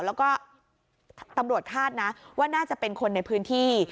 แล้วก็ตำรวจคาดนะว่าน่าจะเป็นคนในพื้นที่